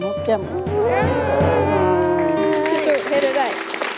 ซู่ให้ได้